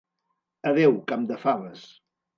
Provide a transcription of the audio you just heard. Adeu, camp de faves!